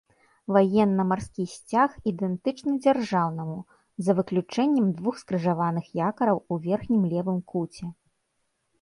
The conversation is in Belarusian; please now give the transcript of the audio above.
Ваенна-марскі сцяг ідэнтычны дзяржаўнаму, за выключэннем двух скрыжаваных якараў у верхнім левым куце.